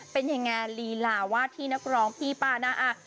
เป็นยังไงลีลาวาดที่นักร้องพี่ป้าน่าอ่ะ